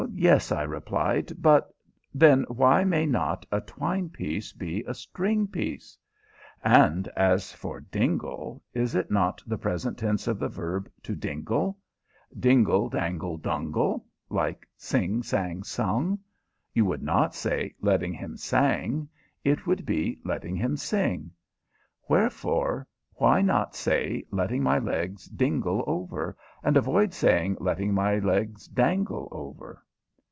"Yes," I replied; "but " "Then why may not a 'twine piece' be a 'string piece'? And as for 'dingle,' is it not the present tense of the verb 'to dingle'? Dingle, dangle, dungle like sing, sang, sung? You would not say 'letting him sang' it would be 'letting him sing'; wherefore, why not say 'letting my legs dingle over,' and avoid saying 'letting my legs dangle over'?"